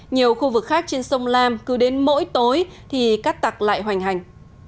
nhiều khu vực khác trên sông lam cứ đến mỗi tối thì cắt tặc lại hoành hành